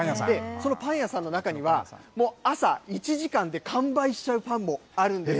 そのパン屋さんの中には、もう朝１時間で完売しちゃうパンもあるんです。